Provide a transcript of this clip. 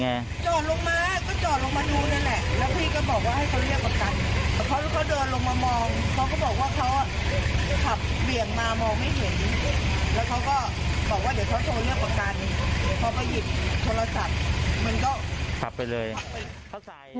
มันก็กลับไปเฉิน